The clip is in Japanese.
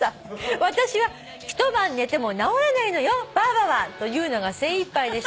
「私は『一晩寝てもなおらないのよばあばは』と言うのが精いっぱいでした」